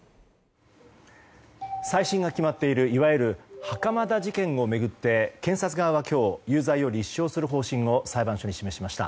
再審が決まっているいわゆる袴田事件を巡って検察側は今日、有罪を立証する方針を裁判所に示しました。